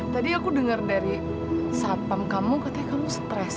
tadi aku dengar dari satpam kamu katanya kamu stres